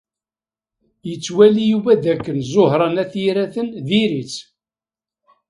Yettwali Yuba dakken Ẓuhṛa n At Yiraten dir-itt.